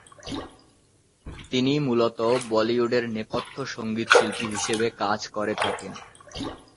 তিনি মূলত বলিউডের নেপথ্য সঙ্গীতশিল্পী হিসেবে কাজ করে থাকেন।